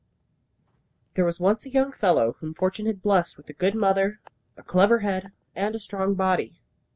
There was once a young fellow whom fortune had blessed with a good mother, a clever head, and a strong body.